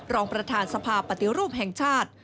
รองประธานสภาปฏิรูปแห่งชาติ